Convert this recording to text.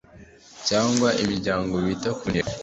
cyangwa imiryango bita ku ntego